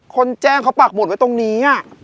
คนแจ้งเขาปากหมดไว้ตรงนี้